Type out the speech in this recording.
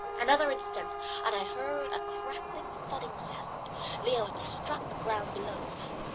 Another instant and I heard a crackling, thudding sound. Leo had struck the ground below.